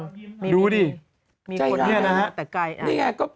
ใจเนี่ยนะ